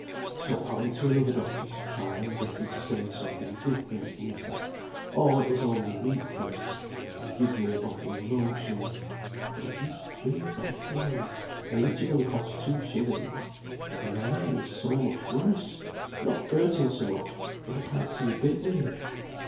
So I went to another doctor to try and get him to say something different, and he said, 'Oh, it was only weakness,' and gived me a bottle of lotion; but I've used three bottles (and each of 'em cost two shillings), and my eye is so much worse, not hurting so much, but I can't see a bit with it.